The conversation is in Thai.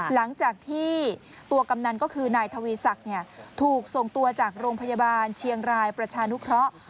หลังจากที่ตัวกำนันก็คือนายทวีศักดิ์ถูกส่งตัวจากโรงพยาบาลเชียงรายประชานุเคราะห์